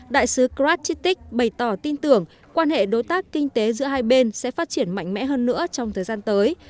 đại sứ cratitik bày tỏ tin tưởng quan hệ đối tác kinh tế giữa hai bên sẽ phát triển mạnh mẽ hơn nữa trong thời gian tới